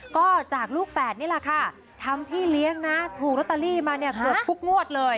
ก็จากลูกแฝดนี่แหละค่ะทำพี่เลี้ยงนะถูกลอตเตอรี่มาเนี่ยเกือบทุกงวดเลย